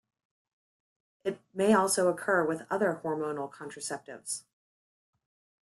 It may also occur with other hormonal contraceptives.